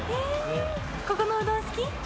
ここのうどん好き？